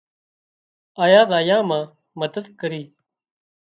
آيا زايا مان مدد ڪري۔